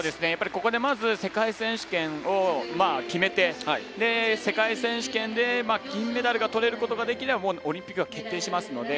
ここで世界選手権を決めて世界選手権で金メダルをとることができればオリンピックは決定しますので。